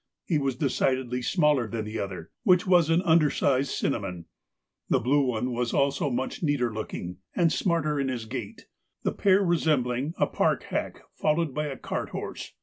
He was decidedly smaller than the other, which was an undersized cinnamon. The blue one was also much neater looking and smarter in his gait, the pair resembling a park hack followed by a cart horse.